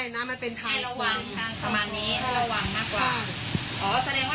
ประมาณนี้ระวังมากกว่า